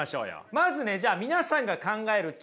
まずねじゃあ皆さんが考えるなるほど。